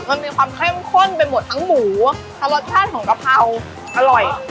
มันมีความเข้มข้นไปหมดทั้งหมูทั้งรสชาติของกะเพราอร่อย